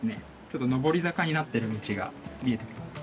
ちょっと上り坂になってる道が見えてきます。